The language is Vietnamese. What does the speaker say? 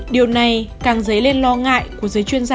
điều này càng dấy lên lo ngại của giới chuyên gia